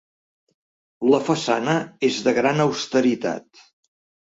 La façana és de gran austeritat.